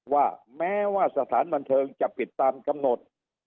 ว่าแม้ว่าสถานบันเทิงจะปิดตามกำหนด